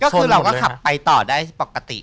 ก็คือเราก็ขับไปต่อได้ปกติ